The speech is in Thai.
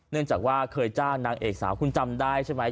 เนื่องจากว่าเคยจ้างนางเอกสาวคุณจำได้ใช่ไหม